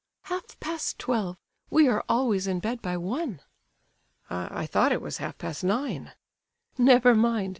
"Half past twelve. We are always in bed by one." "I—I thought it was half past nine!" "Never mind!"